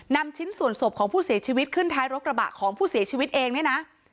นำชิ้นส่วนศพของผู้เสียชีวิตขึ้นท้ายรถกระบะของผู้เสียชีวิตเองเนี่ยนะ